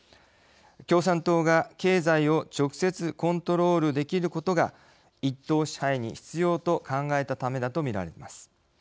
共産党が経済を直接コントロールできることが一党支配に必要と考えたためだと見られます。